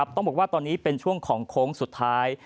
ต้องบอกว่าตอนนี้เป็นช่วงของโค้งสุดท้าย